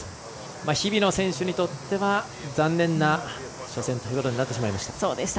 日比野選手にとっては残念な初戦ということになってしまいました。